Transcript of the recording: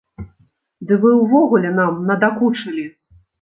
Ды вы ўвогуле нам надакучылі!